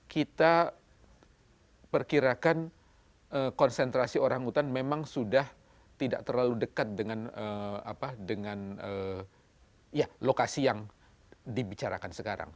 kita perkirakan konsentrasi orang hutan memang sudah tidak terlalu dekat dengan lokasi yang dibicarakan sekarang